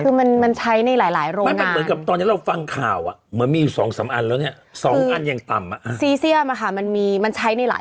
คือมันใช้ในหลายโรงงาน